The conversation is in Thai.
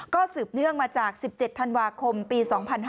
ก็สืบเนื่องมาจาก๑๗ธันวาคมปี๒๕๕๙